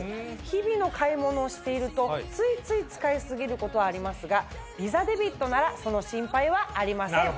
日々の買い物をしているとついつい使い過ぎることありますがＶｉｓａデビットならその心配はありません。